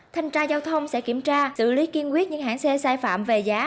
thanh tra giao thông sẽ kiểm tra xử lý kiên quyết những hãng xe sai phạm về giá